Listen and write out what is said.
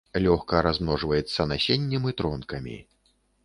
Лёгка размножваецца насеннем і тронкамі.